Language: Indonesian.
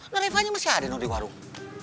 nah levanya masih ada di warung